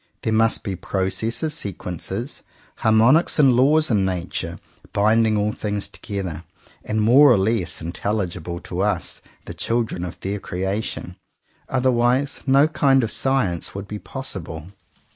There must be processes, sequences, harmonics and laws in Nature, binding all things together, and more or less intelligible to us, the children of their creation, otherwise no kind of science would be possible.